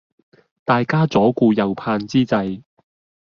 大家左顧右盼之際